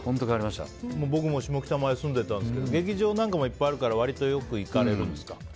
僕も下北、前住んでたんですけどいっぱいあるから割とよく行かれるんですか？